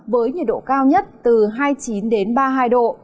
với nhiệt độ cao nhất từ hai mươi chín đến ba mươi hai độ